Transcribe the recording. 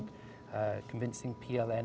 dan pembentukan pln